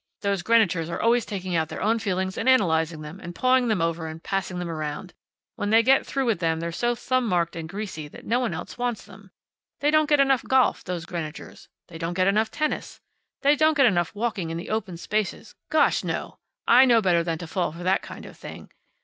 Those Greenwichers are always taking out their own feelings and analyzing them, and pawing them over, and passing them around. When they get through with them they're so thumb marked and greasy that no one else wants them. They don't get enough golf, those Greenwichers. They don't get enough tennis. They don't get enough walking in the open places. Gosh, no! I know better than to fall for that kind of thing.